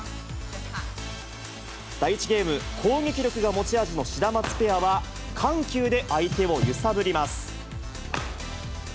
第１ゲーム、攻撃力が持ち味のシダマツペアは、緩急で相手を揺さぶります。